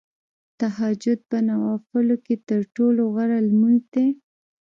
تهجد په نوافلو کې تر ټولو غوره لمونځ دی .